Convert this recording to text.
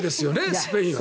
スペインは。